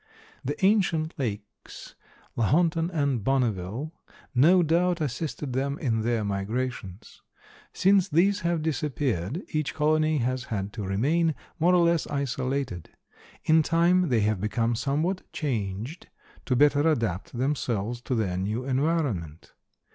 The ancient lakes, Lahontan and Bonneville, no doubt assisted them in their migrations. Since these have disappeared each colony has had to remain more or less isolated. In time they have become somewhat changed, to better adapt themselves to their new environment.